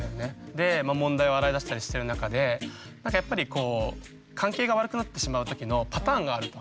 で問題を洗い出したりしてる中でなんかやっぱりこう関係が悪くなってしまう時のパターンがあると。